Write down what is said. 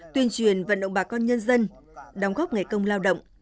tuyên truyền vận động bà con nhân dân đóng góp nghề công lao động